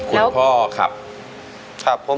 แล้วก่อนคุณพ่อขับ